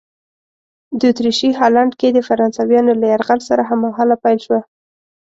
د اتریشي هالنډ کې د فرانسویانو له یرغل سره هممهاله پیل شوه.